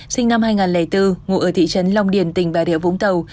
sinh năm hai nghìn bốn ngụ ở thị trấn long điền tỉnh bà rịa vũng tàu